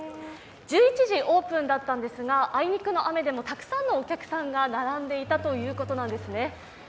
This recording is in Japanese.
１１時オープンだったんですがあいにくの雨でも、たくさんのお客さんが並んでいたということなんですね。